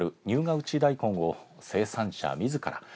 入河内大根を生産者みずから